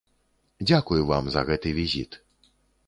Дзякуй вам за гэты візіт.